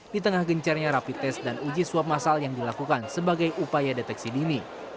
di tengah gencarnya rapi tes dan uji swab masal yang dilakukan sebagai upaya deteksi dini